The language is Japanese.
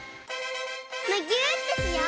むぎゅーってしよう！